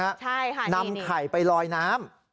ใช่ค่ะนี่นี่นี่นำไข่ไปลอยน้ำ